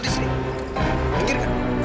res cakep juga hm